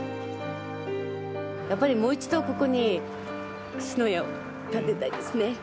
やっぱりもう一度ここに、志のやを建てたいですね。